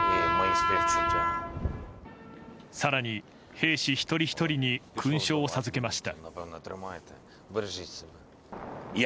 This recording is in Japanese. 更に兵士一人ひとりに勲章を授けました。